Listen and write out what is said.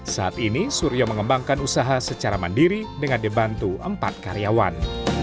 saat ini suryo mengembangkan usaha secara mandiri dengan dibantu empat karyawan